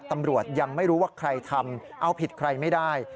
ตำรวจยังไม่รู้ว่าใครทำเอาผิดใครไม่ได้